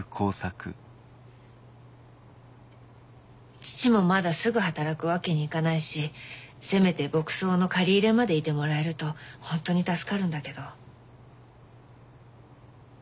義父もまだすぐ働くわけにいかないしせめて牧草の刈り入れまでいてもらえると本当に助かるんだけど。